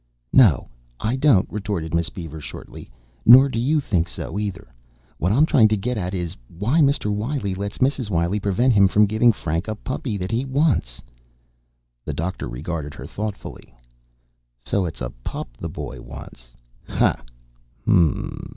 "No, I don't," retorted Miss Beaver shortly. "Nor do you think so, either. What I'm trying to get at is, why Mr. Wiley lets Mrs. Wiley prevent him from giving Frank a puppy that he wants?" The doctor regarded her thoughtfully. "So it's a pup the boy wants. Ha, hum!"